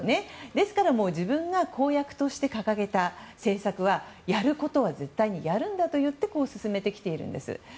ですから自分が公約として掲げた政策はやることは絶対にやるんだといって進めてきているんです。